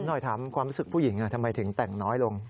หน่อยถามความรู้สึกผู้หญิงทำไมถึงแต่งน้อยลง